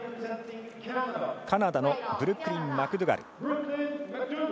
カナダのブルックリン・マクドゥガル。